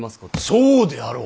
そうであろう！？